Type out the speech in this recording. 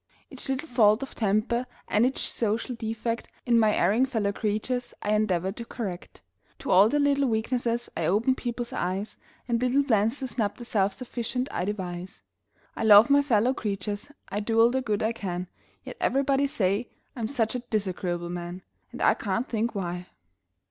Each little fault of temper and each social defect In my erring fellow creatures, I endeavor to correct. To all their little weaknesses I open people's eyes And little plans to snub the self sufficient I devise; I love my fellow creatures I do all the good I can Yet everybody say I'm such a disagreeable man! And I can't think why!